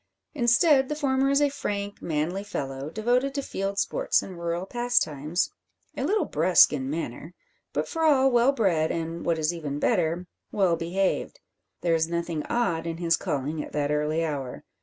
Instead, the former is a frank, manly fellow, devoted to field sports and rural pastimes, a little brusque in manner, but for all well bred, and, what is even better, well behaved. There is nothing odd in his calling at that early hour.